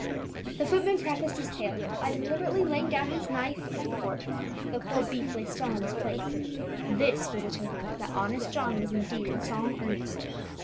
The footman prefaced his tale by deliberately laying down his knife and fork, though cold beef lay still on his plate; this was a token that honest John was indeed in solemn earnest.